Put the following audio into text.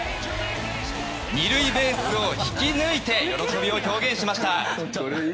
２塁ベースを引き抜いて喜びを表現しました。